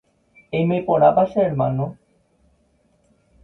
Eime porãpa che hermano.